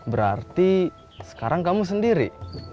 berarti sekarang kamu sendiri